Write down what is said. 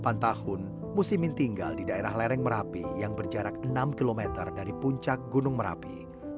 selama delapan tahun musimin tinggal di daerah lereng merapi yang berjarak enam km dari puncak gunung merapi